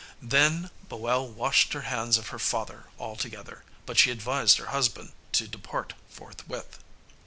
Then Boel washed her hands of her father altogether, but she advised her husband to depart forthwith.